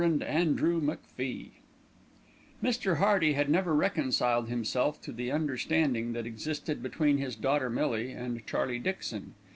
ANDREW MACFIE Mr. Hearty had never reconciled himself to the understanding that existed between his daughter Millie and Charlie Dixon.